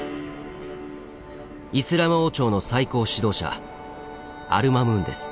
イスラム王朝の最高指導者アル・マムーンです。